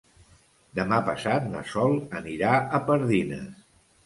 Demà passat na Sol anirà a Pardines.